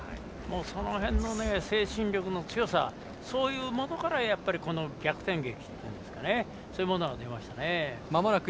その辺の精神力の強さそういうものからこの逆転劇というんですかねそういうものが出ましたね。